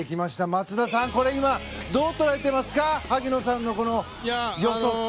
松田さん、どう捉えてますか萩野さんの予測。